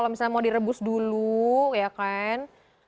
kalau misalnya mau direbus dulu ya kan